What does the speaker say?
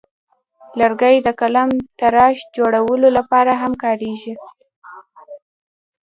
لرګی د قلمتراش جوړولو لپاره هم کاریږي.